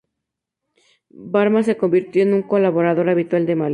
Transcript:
Varma se convirtió en colaborador habitual de Malí.